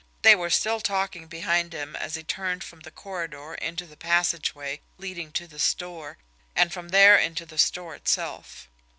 They were still talking behind him as he turned from the corridor into the passageway leading to the store, and from there into the store itself.